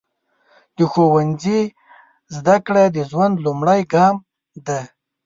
د ښوونځي زده کړه د ژوند لومړی ګام دی.